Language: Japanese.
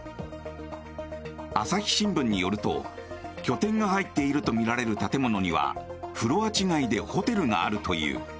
朝日新聞によると拠点が入っているとみられる建物にはフロア違いでホテルがあるという。